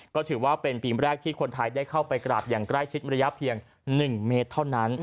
ก็ถือว่าเป็นปีแรกที่คนไทยได้เข้าไปกราบอย่างใกล้ชิดระยะเพียง๑เมตรเท่านั้น